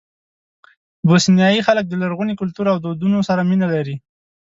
بوسنیایي خلک د لرغوني کلتور او دودونو سره مینه لري.